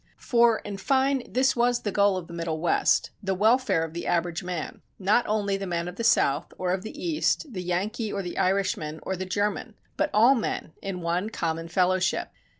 For, in fine this was the goal of the Middle West, the welfare of the average man; not only the man of the South, or of the East, the Yankee, or the Irishman, or the German, but all men in one common fellowship.